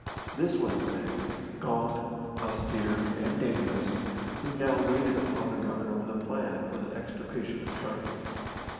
This was the man, gaunt, austere, and dangerous, who now waited upon the Governor with a plan for the extirpation of Sharkey.